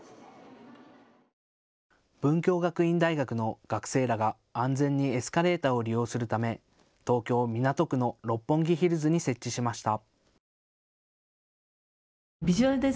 文京学院大学の学生らが安全にエスカレーターを利用するため東京・港区の六本木ヒルズに設置しました。